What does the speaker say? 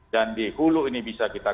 dan di hulu ini bisa kita